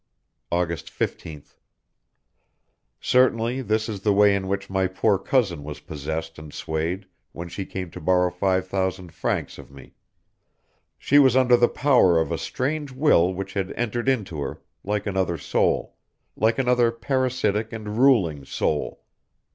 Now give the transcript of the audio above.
August 15th. Certainly this is the way in which my poor cousin was possessed and swayed, when she came to borrow five thousand francs of me. She was under the power of a strange will which had entered into her, like another soul, like another parasitic and ruling soul.